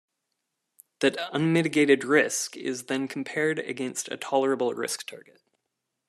That unmitigated risk is then compared against a tolerable risk target.